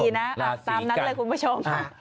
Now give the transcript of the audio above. ตามนั้นเลยคุณผู้ชม